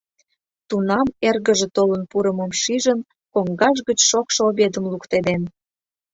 Тунам, эргыже толын пурымым шижын, коҥгаж гыч шокшо обедым луктеден.